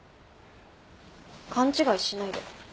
勘違いしないで。